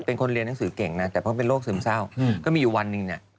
เป็นคนเรียนหนังสือเก่งนะแต่เพราะเป็นโรคซึมเศร้าก็มีอยู่วันหนึ่งเนี่ย